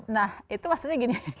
nah itu maksudnya gini